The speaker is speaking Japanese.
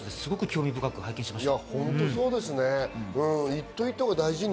興味深く拝見しました。